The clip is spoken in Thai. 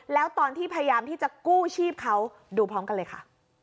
แล้วตอนที่พยายามที่จะกู้ชีพเขาดูพร้อมกันเลยค่ะ